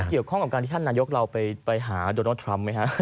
เกี่ยวข้องกับการที่ท่านนายกเราไปหาโดนัลดทรัมป์ไหมฮะ